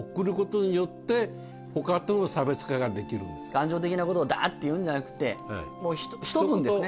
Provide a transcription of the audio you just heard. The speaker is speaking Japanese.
感情的なことをダって言うんじゃなくてひと文ですね。